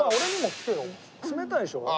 冷たいでしょ？